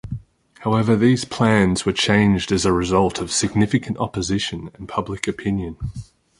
However, these plans were changed as a result of significant opposition and public opinion.